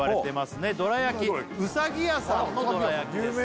やきうさぎやさんのどらやきですね